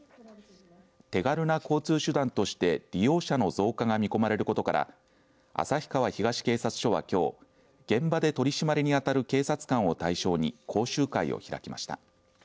手軽な交通手段として利用者の増加が見込まれることから旭川東警察署はきょう現場で取締りにあたる警察官を対象に講習会を開きました。